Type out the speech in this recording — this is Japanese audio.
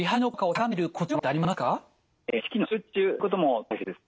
意識の集中っていうことも大切です。